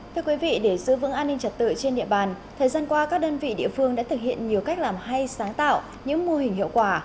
thưa quý vị để giữ vững an ninh trật tự trên địa bàn thời gian qua các đơn vị địa phương đã thực hiện nhiều cách làm hay sáng tạo những mô hình hiệu quả